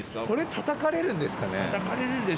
これ、たたかれるんですかね？